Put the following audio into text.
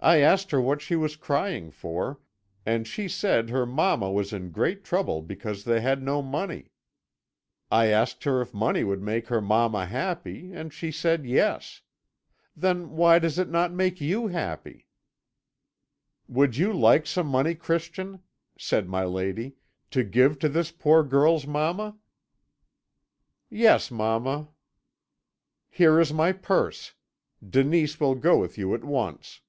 I asked her what she was crying for, and she said her mamma was in great trouble because they had no money. I asked her if money would make her mamma happy, and she said yes. Then why does it not make you happy?' "'Would you like some money, Christian,' said my lady, 'to give to this poor girl's mamma?' "'Yes, mamma.' "Here is my purse. Denise will go with you at once.'